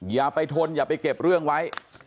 อย่าไปทนอย่าไปเก็บเรื่องไว้